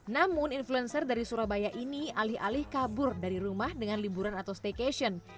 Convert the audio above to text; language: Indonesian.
namun influencer dari surabaya ini alih alih kabur dari rumah dengan liburan atau staycation